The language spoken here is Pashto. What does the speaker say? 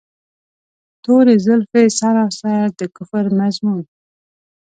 توري زلفې سراسر د کفر مضمون.